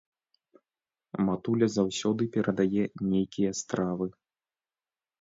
Матуля заўсёды перадае нейкія стравы.